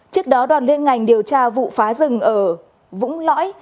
trước đó đoàn liên ngành điều tra vụ phá rừng ở vũng lõi